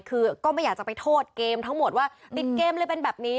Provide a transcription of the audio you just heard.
คือก็ไม่อยากจะไปโทษเกมทั้งหมดว่าติดเกมเลยเป็นแบบนี้